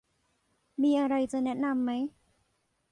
มีอะไรจะแนะนำไหม